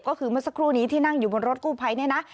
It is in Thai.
ก็คือเมื่อสักครู่นี้ที่นั่งอยู่บนรถกู้ภัยเนี่ยนะ